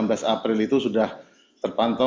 sembilan belas april itu sudah terpantau